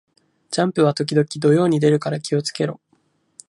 ジャンプは時々土曜に出るから気を付けろ